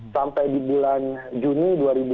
sampai di bulan juni dua ribu dua puluh